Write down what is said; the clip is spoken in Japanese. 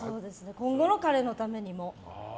今後の彼のためにも。